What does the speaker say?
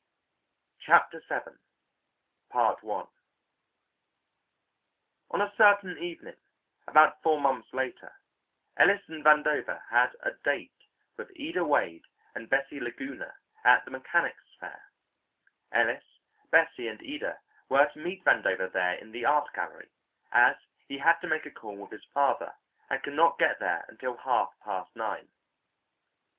Chapter Seven On a certain evening about four months later Ellis and Vandover had a "date" with Ida Wade and Bessie Laguna at the Mechanics' Fair. Ellis, Bessie, and Ida were to meet Vandover there in the Art Gallery, as he had to make a call with his father, and could not get there until half past nine.